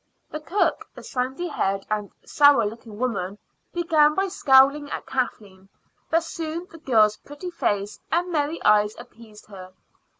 The cook, a sandy haired and sour looking woman, began by scowling at Kathleen; but soon the girl's pretty face and merry eyes appeased her.